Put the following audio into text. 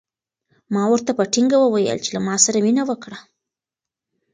ما ورته په ټینګه وویل چې له ما سره مینه وکړه.